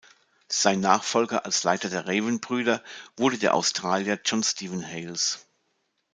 Sein Nachfolger als Leiter der Raven-Brüder wurde der Australier John Stephen Hales.